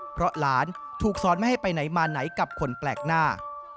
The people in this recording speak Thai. เพราะหลานถูกสอนไม่ให้ไปไหนมาไหนกับคนแปลกหน้า